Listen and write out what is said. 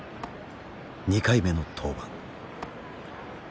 ２回目の登板。